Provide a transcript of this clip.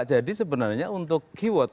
jadi sebenarnya untuk keyword